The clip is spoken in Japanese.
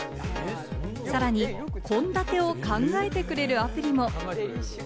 さらに献立を考えてくれるアプリも。